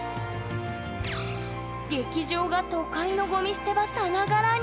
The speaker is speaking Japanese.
劇場が都会のゴミ捨て場さながらに！